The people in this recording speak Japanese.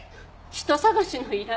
人捜しの依頼？